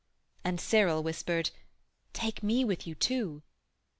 And Cyril whispered: 'Take me with you too.'